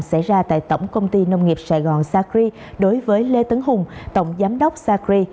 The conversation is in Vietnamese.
xảy ra tại tổng công ty nông nghiệp sài gòn sacri đối với lê tấn hùng tổng giám đốc sacri